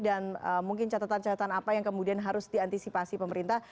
dan mungkin catatan catatan apa yang kemudian harus diantisipasi pemerintah